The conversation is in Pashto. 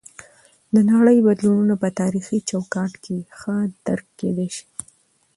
د نړۍ بدلونونه په تاریخي چوکاټ کې ښه درک کیدی شي.